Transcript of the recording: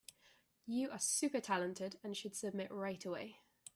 You are super talented and should submit right away.